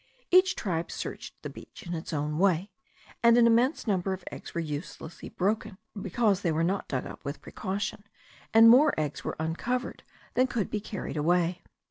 Every tribe searched the beach in its own way; and an immense number of eggs were uselessly broken, because they were not dug up with precaution, and more eggs were uncovered than could be carried away.